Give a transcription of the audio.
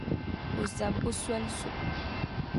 O zabi o soli zuɣu.